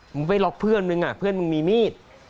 มึงไปล็อกเพื่อนมึงอ่ะเพื่อนมึงมีมีด